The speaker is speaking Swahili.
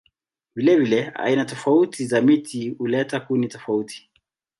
Vilevile aina tofauti za miti huleta kuni tofauti.